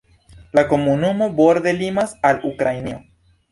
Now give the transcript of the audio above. La komunumo norde limas al Ukrainio.